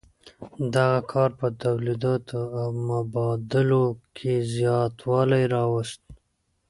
دغه کار په تولیداتو او مبادلو کې زیاتوالی راوست.